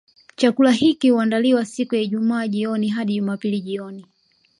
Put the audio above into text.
Chakula hiki huandaliwa siku ya Ijumaa jioni hadi Jumapili jioni